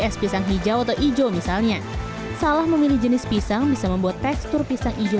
es pisang hijau atau hijau misalnya salah memilih jenis pisang bisa membuat tekstur pisang hijau